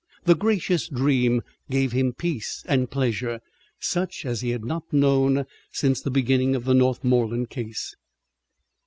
The gracious dream gave him peace and pleasure such as he had not known since the beginning of the Northmorland case.